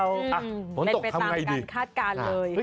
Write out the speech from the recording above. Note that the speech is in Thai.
ซัสไปตามการคราดการเลย